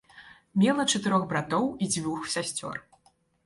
Мела чатырох братоў і дзвюх сясцёр.